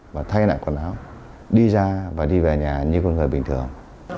và thay lại quần áo đi ra và đi về nhà như con người bình thường